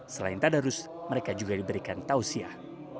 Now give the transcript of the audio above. selain tadarus mereka juga diberikan tausiah